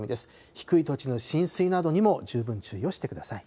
低い土地の浸水などにも十分注意をしてください。